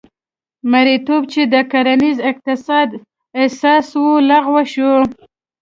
مریتوب چې د کرنیز اقتصاد اساس و لغوه شو.